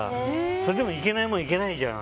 それでもいけないものはいけないじゃん。